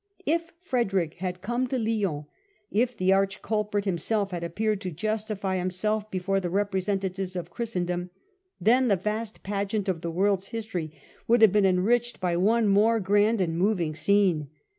If Frederick had come to Lyons, if the arch culprit himself had appeared to justify himself before the representatives of Christendom, then the vast pageant of the world's history would have been enriched by one more grand and moving scene.